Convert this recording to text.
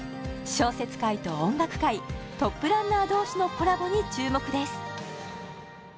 小説界と音楽界トップランナー同士のコラボに注目です